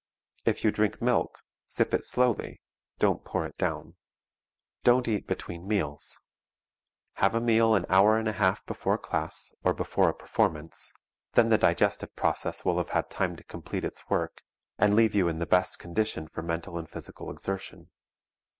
If you drink milk, sip it slowly; don't pour it down. Don't eat between meals. Have a meal an hour and a half before class or before a performance, then the digestive process will have had time to complete its work and leave you in the best condition for mental and physical exertion.